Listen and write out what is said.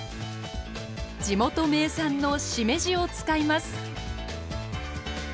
地元名産のしめじを使います。